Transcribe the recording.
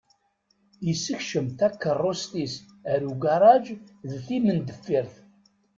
Isekcem takeṛṛust-is ar ugaṛaj d timendeffirt.